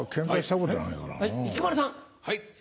はい！